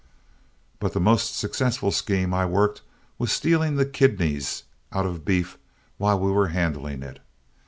"But the most successful scheme I worked was stealing the kidneys out of beef while we were handling it.